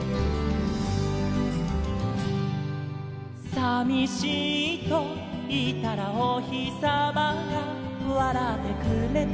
「さみしいといったらおひさまがわらってくれた」